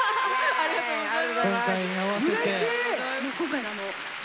ありがとうございます。